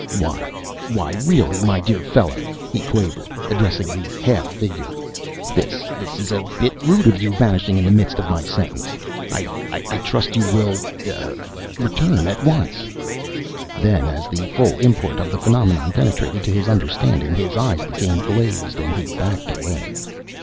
"Why, why really my dear fellow," he quavered, addressing the half figure. "This this is a bit rude of you, vanishing in the midst of my sentence. I I trust you will ah, return at once!" Then, as the full import of the phenomenon penetrated to his understanding, his eyes became glazed and he backed away.